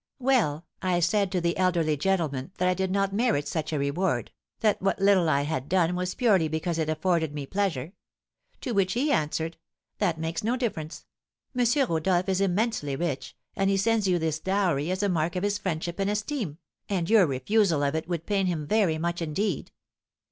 Well, I said to the elderly gentleman that I did not merit such a reward, that what little I had done was purely because it afforded me pleasure. To which he answered, 'That makes no difference; M. Rodolph is immensely rich, and he sends you this dowry as a mark of his friendship and esteem, and your refusal of it would pain him very much indeed.